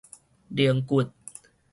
龍骨